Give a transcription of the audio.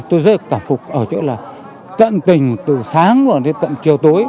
tôi rất cảm phục ở chỗ là tận tình từ sáng và đến tận chiều tối